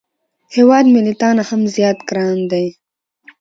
هیواد مې له تا نه هم زیات ګران دی